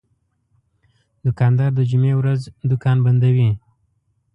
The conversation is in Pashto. دوکاندار د جمعې ورځ دوکان بندوي.